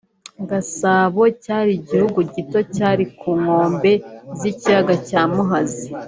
Gasabo cyari igihugu gito cyari ku nkombe z’ikiyaga cya Muhazi